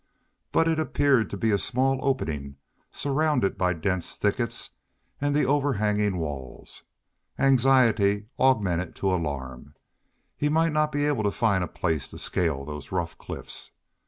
But it appeared to be a small opening surrounded by dense thickets and the overhanging walls. Anxiety augmented to alarm. He might not be able to find a place to scale those rough cliffs.